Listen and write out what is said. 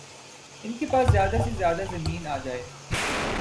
ان کے پاس زیادہ سے زیادہ زمین آجائے